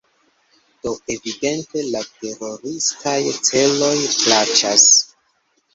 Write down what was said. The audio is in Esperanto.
Do evidente la teroristaj celoj plaĉas.